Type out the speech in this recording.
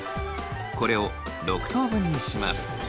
これを６等分にします。